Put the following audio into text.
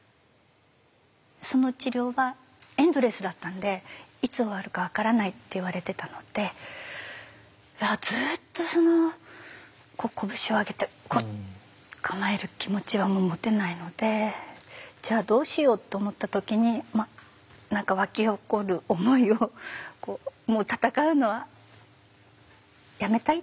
その治療はエンドレスだったんで「いつ終わるか分からない」って言われてたのでずっとその拳を上げてグッと構える気持ちは持てないのでじゃあどうしようと思った時に沸き起こる思いをもう闘うのはやめたいですって。